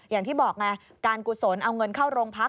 อย่างที่บอกไงการกุศลเอาเงินเข้าโรงพัก